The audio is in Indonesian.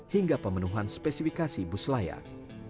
hingga pemenuhan spesifikasi bus layak